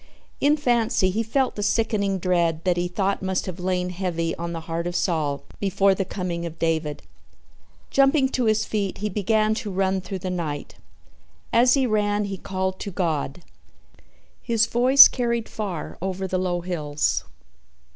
In fancy he felt the sickening dread that he thought must have lain heavy on the heart of Saul before the coming of David. Jumping to his feet, he began to run through the night. As he ran he called to God. His voice carried far over the low hills.